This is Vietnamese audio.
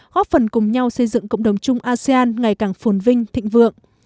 góp phần cùng nhau xây dựng cộng đồng chung asean ngày càng phồn vinh thịnh vượng